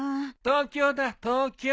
東京だ東京。